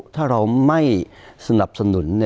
ถ้าเราไม่สนับสนุน